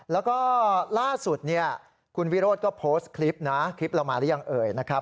แล้วก็ล่าสุดเนี่ยคุณวิโรธก็โพสต์คลิปนะคลิปเรามาหรือยังเอ่ยนะครับ